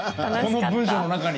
この文章の中に。